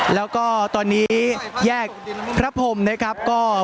แล้วก็ตอนนี้แยกครับผมนะครับ